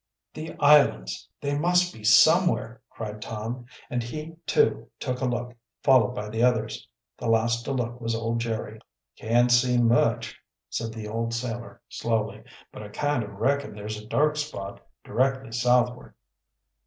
"The islands they must be somewhere!" cried Tom, and he, too, took a look, followed by the others. The last to look was old Jerry. "Can't see much," said the old sailor slowly. "But I kind of reckon there's a dark spot directly southward."